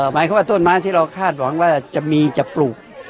หมายความว่าต้นไม้ที่เราคาดหวังว่าจะมีจะปลูก